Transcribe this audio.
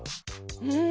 うん。